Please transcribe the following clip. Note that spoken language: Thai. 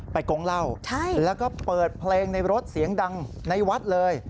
กงเหล้าแล้วก็เปิดเพลงในรถเสียงดังในวัดเลย